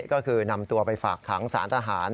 ก็คือนำตัวไปฝากขังสารทหาร